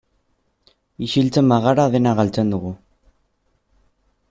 Isiltzen bagara dena galtzen dugu.